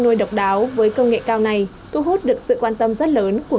nuôi độc đáo với công nghệ cao này thu hút được sự quan tâm rất lớn của người dân hà nội tới tham quan